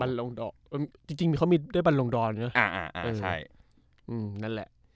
บันลงดรเออจริงจริงเขามีด้วยบันลงดรเนอะอ่าอ่าใช่อืมนั่นแหละ